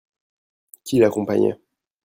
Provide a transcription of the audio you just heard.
Qui l'accompagnait ?